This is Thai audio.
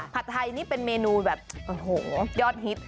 ไทยนี่เป็นเมนูแบบโอ้โหยอดฮิต